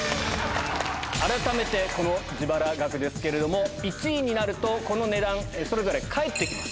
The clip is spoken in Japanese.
改めて、この自腹額ですけれども、１位になると、この値段、それぞれ返ってきます。